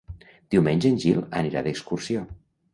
Diumenge en Gil anirà d'excursió.